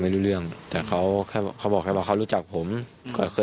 ยังยังยังเขายังไม่ได้บอก